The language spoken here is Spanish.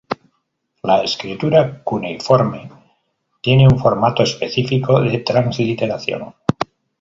La escritura cuneiforme tiene un formato específico de transliteración.